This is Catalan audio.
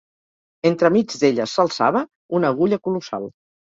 Entremig d'elles s'alçava, una agulla colossal